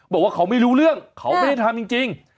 บอกว่าเขาไม่รู้เรื่องเขาไม่ได้ทำจริง